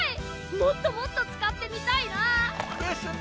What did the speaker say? もっともっと使ってみたいな。ですね